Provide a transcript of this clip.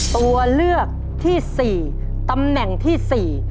ตัวเลือกที่สี่ตำแหน่งที่สี่